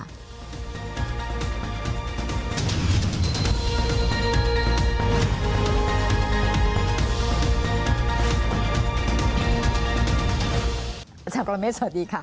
อาจารย์ปรเมฆสวัสดีค่ะ